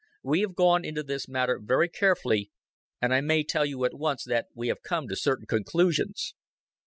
"We have gone into this matter very carefully, and I may tell you at once that we have come to certain conclusions."